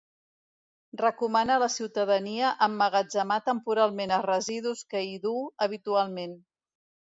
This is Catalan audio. Recomana a la ciutadania emmagatzemar temporalment els residus que hi duu habitualment.